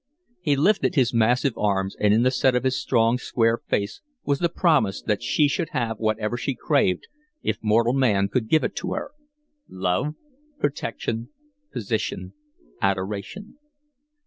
He lifted his massive arms, and in the set of his strong, square face was the promise that she should have whatever she craved if mortal man could give it to her love, protection, position, adoration.